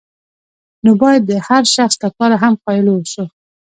نو باید د هر شخص لپاره هم قایل واوسو.